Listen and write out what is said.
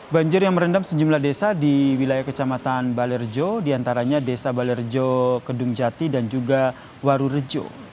banjir yang merendam sejumlah desa di wilayah kecamatan balerjo diantaranya desa balerjo kedung jati dan juga warurejo